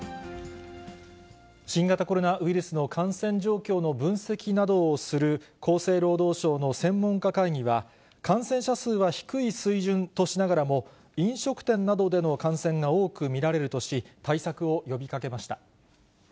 新型コロナウイルスの感染状況の分析などをする厚生労働省の専門家会議は、感染者数は低い水準としながらも、飲食店などでの感染が多く見られるとし、対策を呼びかけました。